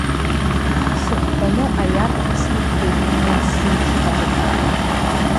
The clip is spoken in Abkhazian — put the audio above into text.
Сыҳәҳәаны аиарҭа снықәтәеит иансзымчҳаӡа.